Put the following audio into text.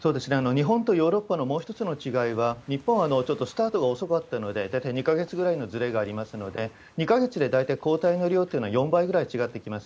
日本とヨーロッパのもう一つの違いは、日本はちょっとスタートが遅かったので、大体２か月ぐらいのずれがありますので、２か月で大体抗体の量っていうのは４倍ぐらい違ってきます。